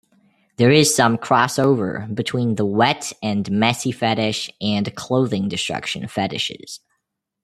There is some crossover between the wet and messy fetish and clothing destruction fetishes.